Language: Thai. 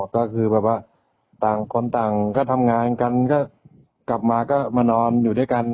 ก็คือแบบว่าต่างคนต่างก็ทำงานกันก็กลับมาก็มานอนอยู่ด้วยกัน